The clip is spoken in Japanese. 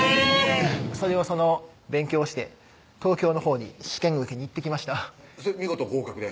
それを勉強して東京のほうに試験受けに行ってきましたそれ見事合格で？